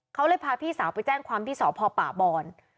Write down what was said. เขาเลยพาพี่สาวไปแจ้งความที่สพป่าบอน